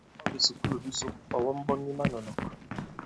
Ɔ̂ bìsùkulù bi sok, ɔ̀ wɔm ɓɔn i manɔ̀nɔ̀k.